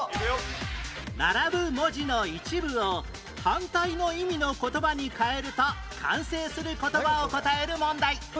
並ぶ文字の一部を反対の意味の言葉に変えると完成する言葉を答える問題